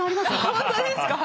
本当ですか？